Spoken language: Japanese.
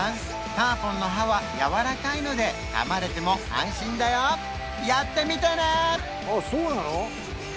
ターポンの歯はやわらかいので噛まれても安心だよやってみてね！